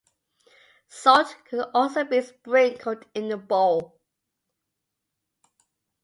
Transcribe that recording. Salt could also be sprinkled in the bowl.